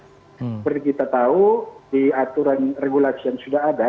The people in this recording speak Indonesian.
seperti kita tahu di aturan regulasi yang sudah ada